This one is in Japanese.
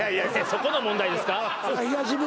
そこの問題ですか？